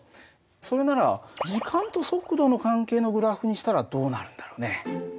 それなら時間と速度の関係のグラフにしたらどうなるんだろうね？